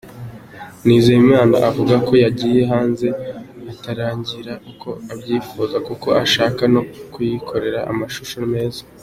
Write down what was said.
Nizeyimana avuga ko yagiye hanze itararangira uko abyifuza kuko ashaka no kuyikorera amashusho meza.